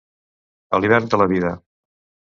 A l'hivern de la vida.